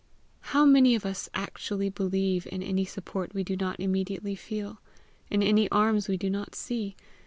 How many of us actually believe in any support we do not immediately feel? in any arms we do not see?